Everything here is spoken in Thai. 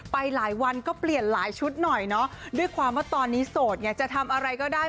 ไปหลายวันก็เปลี่ยนหลายชุดหน่อยเนาะด้วยความว่าตอนนี้โสดไงจะทำอะไรก็ได้